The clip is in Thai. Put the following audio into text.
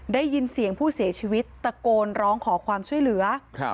ได้ยินเสียงผู้เสียชีวิตตะโกนร้องขอความช่วยเหลือ